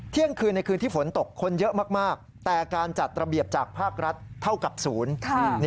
เที่ยงคืนในคืนที่ฝนตกคนเยอะมากแต่การจัดระเบียบจากภาครัฐเท่ากับศูนย์